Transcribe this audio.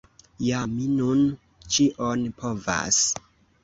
Ja mi nun ĉion povas.